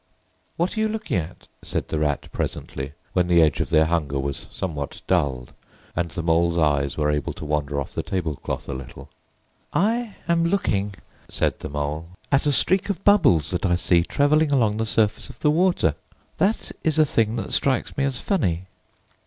"What are you looking at?" said the Rat presently, when the edge of their hunger was somewhat dulled, and the Mole's eyes were able to wander off the table cloth a little. "I am looking," said the Mole, "at a streak of bubbles that I see travelling along the surface of the water. That is a thing that strikes me as funny."